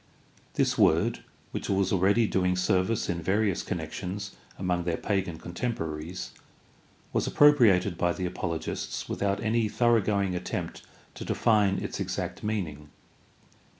This word, which was already doing service in various connections among their pagan contempo raries, was appropriated by the apologists without any thoroughgoing attempt to define its exact meaning.